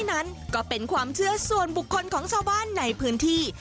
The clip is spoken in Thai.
นั้นก็เป็นความเชื่อส่วนบุคคลของชาวบ้านในพื้นที่